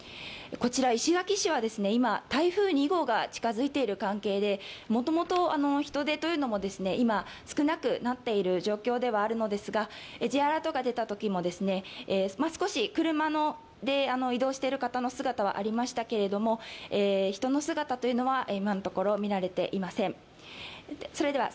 石垣市は今、台風２号が近付いている関係でもともと人出も今、少なくなっている状況ではあるのですが、Ｊアラートが出たときも少し車で移動している人の姿はありましたけれども人の姿というのは今のところ見られていません。